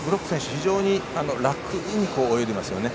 非常に楽に泳いでいますよね。